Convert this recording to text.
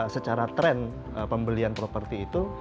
secara tren pembelian properti itu